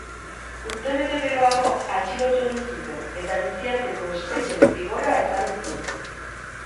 Urtebete geroago, atxilotu egin zuten eta biziarteko espetxe zigorra ezarri zioten.